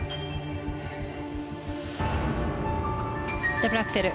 ダブルアクセル。